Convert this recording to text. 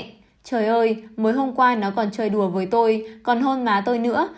trời ơi mới hôm qua nó còn chơi đùa với tôi còn hôn má tôi nữa